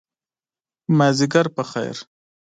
مازدیګر په خیر !